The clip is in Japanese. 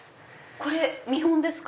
これ見本ですか？